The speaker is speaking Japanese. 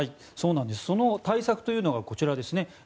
その対策というのがこちらですね。